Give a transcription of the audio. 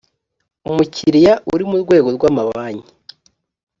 umukiliya uri mu rwego rw’amabanki